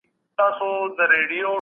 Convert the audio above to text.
بشريت ته د علم رڼا ورکړئ.